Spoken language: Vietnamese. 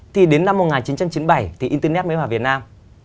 thì đến năm một nghìn chín trăm chín mươi bảy thì internet mới vào việt nam